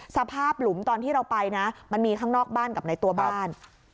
หลุมตอนที่เราไปนะมันมีข้างนอกบ้านกับในตัวบ้าน